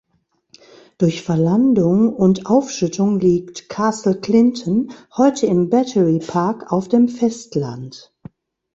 Durch Verlandung und Aufschüttung liegt Castle Clinton heute im Battery Park auf dem Festland.